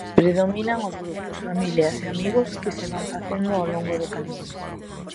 Predominan os grupos, familias e amigos que se van facendo ao longo do Camiño.